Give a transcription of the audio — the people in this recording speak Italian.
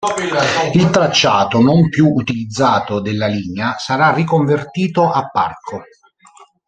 Il tracciato non più utilizzato della linea sarà riconvertito a parco.